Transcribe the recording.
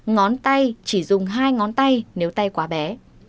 ngón tay chỉ dùng hai ngón tay nếu tay quá bé